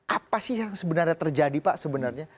apa sih yang sebenarnya terjadi pak sebenarnya